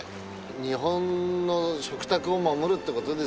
日本の食卓を守るって事ですよね。